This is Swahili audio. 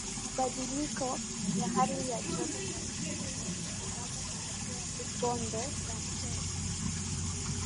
mabadiliko ya hali ya joto kwa siku na mwaka hutokea Bonde la Mto Rufiji